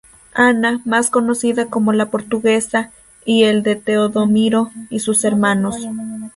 Ana, más conocida como la portuguesa,y el de Teodomiro y sus hermanos.